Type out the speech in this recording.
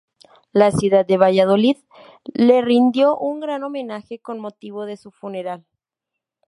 La ciudad de Valladolid le rindió un gran homenaje con motivo de su funeral.